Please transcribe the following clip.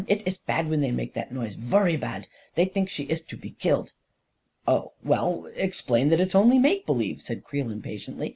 It iss bad when they make that noise — vurry bad I They think she iss to be killed!" " Oh, well, explain that it is only make believe," said Creel impatiently.